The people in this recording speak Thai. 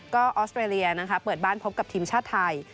ก็ออสเตรเลียนะคะเปิดบ้านพบกับทีมชาติไทย